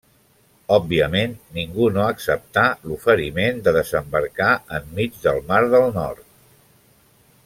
Òbviament, ningú no acceptà l'oferiment de desembarcar enmig del mar del Nord.